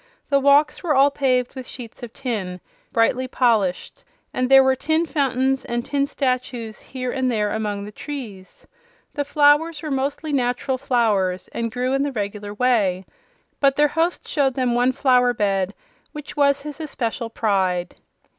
The walks were all paved with sheets of tin, brightly polished, and there were tin fountains and tin statues here and there among the trees. The flowers were mostly natural flowers and grew in the regular way; but their host showed them one flower bed which was his especial pride.